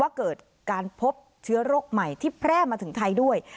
เกิดการพบเชื้อโรคใหม่ที่แพร่มาถึงไทยด้วย